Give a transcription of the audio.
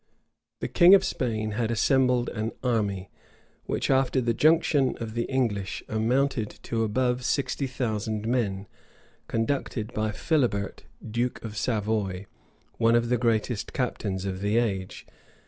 377 The king of Spain had assembled an army, which, after the junction of the English, amounted to above sixty thousand men, conducted by Philibert, duke of Savoy, one of the greatest captains of the age.